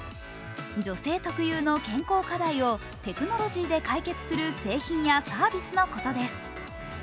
女性特有の健康課題をテクノロジーで解決する製品やサービスのことです。